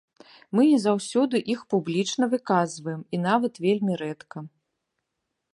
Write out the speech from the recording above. Мы не заўсёды іх публічна выказваем, і нават вельмі рэдка.